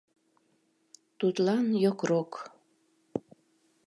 Тудлан йокрок.